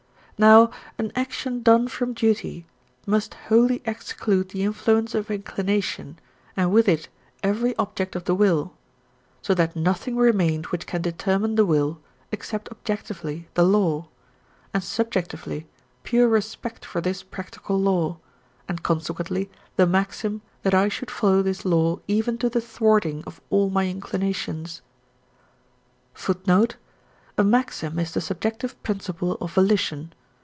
Now an action done from duty must wholly exclude the influence of inclination and with it every object of the will, so that nothing remains which can determine the will except objectively the law, and subjectively pure respect for this practical law, and consequently the maxim * that I should follow this law even to the thwarting of all my inclinations. * A maxim is the subjective principle of volition.